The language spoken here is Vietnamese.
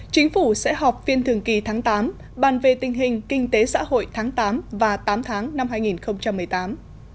chính phủ sẽ họp phiên thường kỳ tháng tám bàn về tình hình kinh tế xã hội tháng tám và tám tháng năm hai nghìn một mươi tám